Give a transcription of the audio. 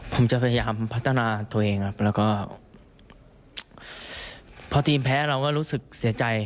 ผมจะพยายามพัฒนาตัวเองครับแล้วก็พอทีมแพ้เราก็รู้สึกเสียใจ